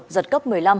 giật cấp một mươi năm